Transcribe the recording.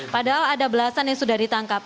padahal ada belasan yang sudah ditangkap